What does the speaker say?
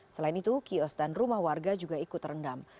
selain itu kios dan rumah warga juga ikut terendam